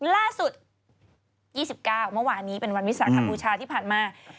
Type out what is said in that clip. ล่าสุด๒๙เมื่อวานนี้เป็นวันวิสาขบูชาที่ผ่านมา